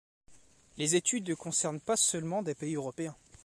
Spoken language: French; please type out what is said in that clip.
Les études ne concernent pas seulement des pays européens.